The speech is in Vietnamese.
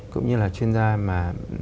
cũng như là chuyên gia mà